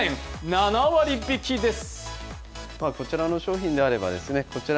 ７割引です。